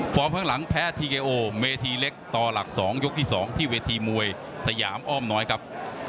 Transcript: ข้างหลังแพ้ทีเอโอเมธีเล็กต่อหลัก๒ยกที่๒ที่เวทีมวยสยามอ้อมน้อยครับ